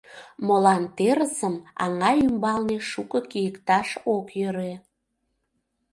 Молан терысым аҥа ӱмбалне шуко кийыкташ ок йӧрӧ?